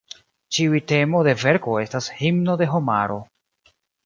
Ĉiuj temo de verko estas "Himno de Homaro".